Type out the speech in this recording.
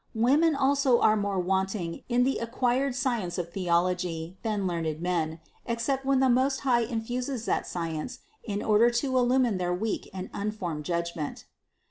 Women also are more wanting in the acquired science of theology than learned men, except when the Most High infuses that science in order to illumine their weak and uninformed judgment.